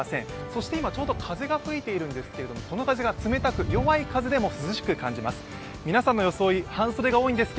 そして今、ちょうど風が吹いているんですけれどもこの風が冷たく弱い風でも涼しく感じます。